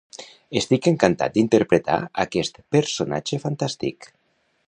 Estic encantat d'interpretar aquest personatge fantàstic.